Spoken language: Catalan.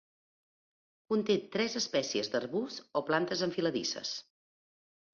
Conté tres espècies d'arbusts o plantes enfiladisses.